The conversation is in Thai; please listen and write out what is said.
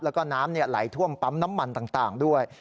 แล้วก็น้ำไหลท่วมปั๊มน้ำมันต่างด้วย